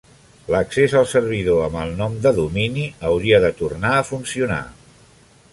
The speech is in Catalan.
L'accés al servidor amb el nom de domini hauria de tornar a funcionar.